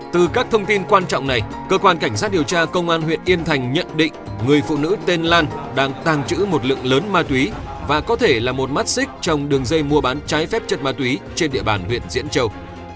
từ các thông tin quan trọng này cơ quan cảnh sát điều tra công an huyện yên thành nhận định người phụ nữ tên lan đang tàng trữ một lượng lớn ma túy và có thể là một mắt xích trong đường dây mua bán trái phép chất ma túy trên địa bàn huyện diễn châu